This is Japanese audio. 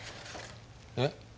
えっ？